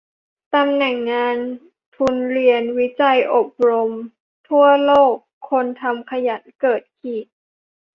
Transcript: ตำแหน่งงาน ทุนเรียน วิจัย อบรม ทั่วโลก คนทำขยันเกิดขีด